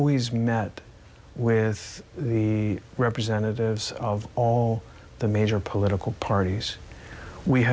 นั่นไม่ต้องปฏิเสธเราแต่เราเป็นอเมริกัน